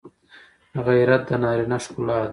غیرت د نارینه ښکلا ده